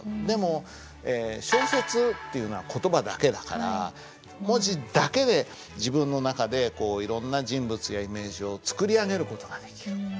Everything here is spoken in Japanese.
でも小説っていうのは言葉だけだから文字だけで自分の中でいろんな人物やイメージを作り上げる事ができる。